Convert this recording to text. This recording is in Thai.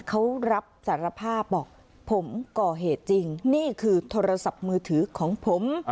เขารับสารภาพบอกผมก่อเหตุจริงนี่คือโทรศัพท์มือถือของผม